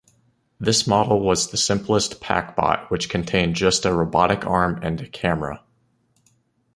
This model was the simplest Packbot which contained just a robotic arm and camera.